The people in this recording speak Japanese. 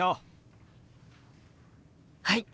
はい！